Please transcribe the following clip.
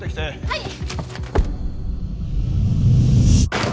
はい！